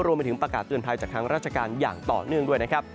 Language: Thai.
รวมไปถึงประกาศเตือนภัยจากทางราชการอย่างต่อเนื่องด้วยนะครับ